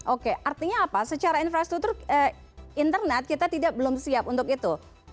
oke artinya apa secara infrastruktur internet kita belum siap untuk itu